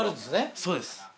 そうです。